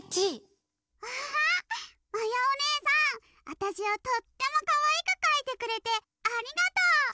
あたしをとってもかわいくかいてくれてありがとう！